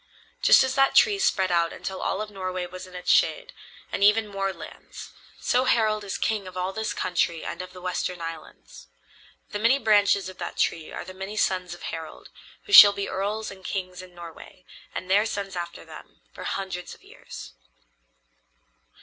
Just as that tree spread out until all of Norway was in its shade, and even more lands, so Harald is king of all this country and of the western islands. The many branches of that tree are the many sons of Harald, who shall be earls and kings in Norway, and their sons after them, for hundreds of years."